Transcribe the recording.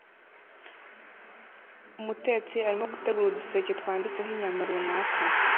Umutetsi arimo gutegura uduseke twanditseho inyama runaka